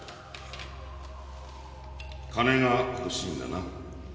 金が欲しいんだな？